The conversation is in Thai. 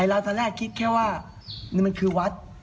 ไอ้ราวทะเล่าคิดแค่ว่านี่มันคือวัด